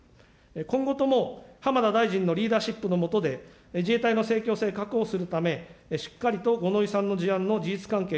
今後とも浜田大臣のリーダーシップのもとで、自衛隊のを確保するため、しっかりと五ノ井さんの事案の事実関係